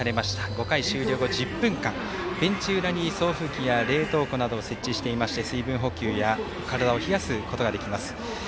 ５回終了後、１０分間ベンチ裏に送風機や冷凍機を設置していまして、水分補給や体を冷やすことができます。